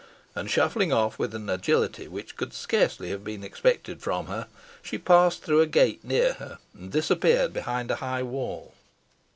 And shuffling off with an agility which could scarcely have been expected from her, she passed through a gate near her, and disappeared behind a high wall.